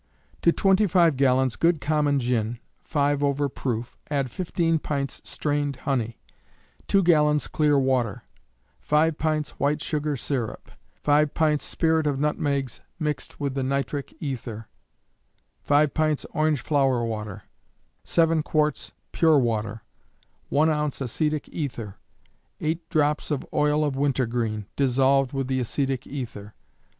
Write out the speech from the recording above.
_ To 25 gallons good common gin, 5 over proof, add 15 pints strained honey; 2 gallons clear water; 5 pints white sugar syrup; 5 pints spirit of nutmegs mixed with the nitric ether; 5 pints orange flower water; 7 quarts pure water; 1 ounce acetic ether; 8 drops of oil of wintergreen, dissolved with the acetic ether.